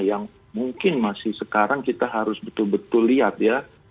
yang mungkin masih sekarang kita harus betul betul lihat ya